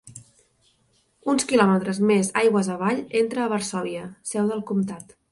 Uns quilòmetres més aigües avall entra a Varsòvia, seu del comtat.